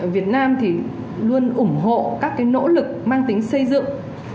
việt nam thì luôn ủng hộ các cái nỗ lực mang tính xây dựng